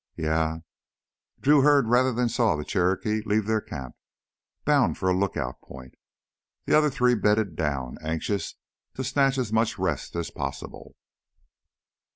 "Yeah." Drew heard rather than saw the Cherokee leave their camp, bound for a lookout point. The other three bedded down, anxious to snatch as much rest as possible.